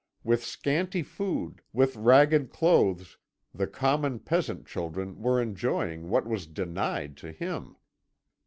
With scanty food, with ragged clothes, the common peasant children were enjoying what was denied to him.